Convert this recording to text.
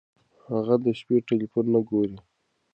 هغه د شپې ټیلیفون نه ګوري.